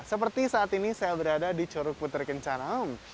seperti saat ini saya berada di curug putri kencanaung